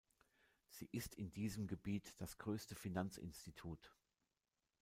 Sie ist in diesem Gebiet das größte Finanzinstitut.